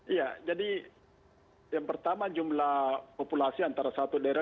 iya jadi yang pertama jumlah populasi antara satu daerah